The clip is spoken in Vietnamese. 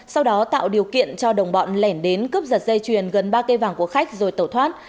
sau đó tạo điều kiện cho đồng bọn lẻn đến cướp giật dây chuyền gần ba cây vàng của khách rồi tẩu thoát